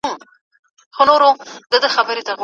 ته سنګه یی